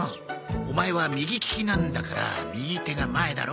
オマエは右利きなんだから右手が前だろ。